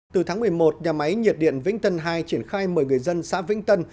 từ tháng một mươi một nhà máy nhiệt điện vĩnh tân hai triển khai mời người dân xã vĩnh tân